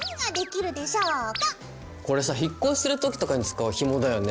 これさ引っ越しする時とかに使うひもだよね。